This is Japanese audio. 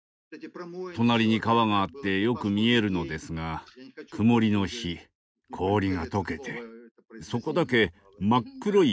隣に川があってよく見えるのですが曇りの日氷がとけてそこだけ真っ黒い穴に見えました。